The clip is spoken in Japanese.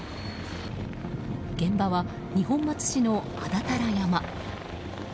現場は二本松市の安達太良山。